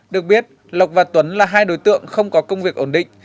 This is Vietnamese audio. được biết lộc và tuấn là hai đối tượng không có công việc ổn định